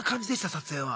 撮影は。